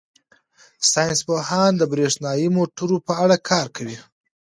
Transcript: ساینس پوهان د بریښنايي موټرو په اړه کار کوي.